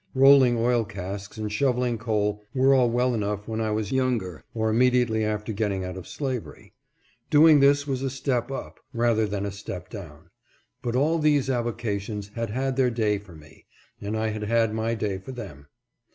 Rolling oil casks and shoveling coal were all well enough when I was youngerr immediately after getting out of slavery. Doing this was a step up, rarther than a step down ; but all these avoca tions had had their day for me, and I had had my day for them.